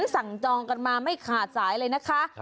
สั่งจองกันมาไม่ขาดสายเลยนะคะ